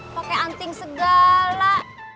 pake anting segala